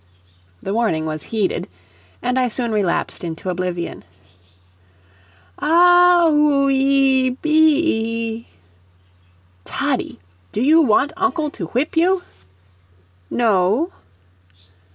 The warning was heeded, and I soon relapsed into oblivion. "Ah h h h oo oo ee ee ee BE ee." "Toddie, do you want uncle to whip you?" "No."